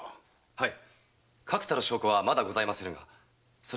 はい。